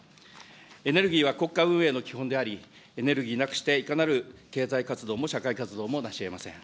エネルギーは国家運営の基本であり、エネルギーなくして、いかなる経済活動も社会活動もなしえません。